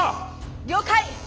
了解！